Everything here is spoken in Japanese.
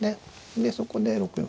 でそこで６四歩。